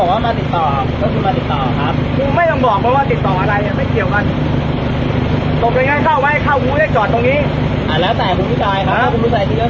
คุณผู้ชายที่เลือกจะจอดตรงนี้นะครับ